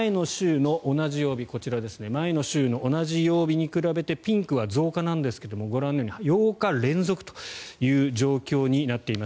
こちら前の週の同じ曜日に比べてピンクは増加なんですがご覧のように８日連続という状況になっています。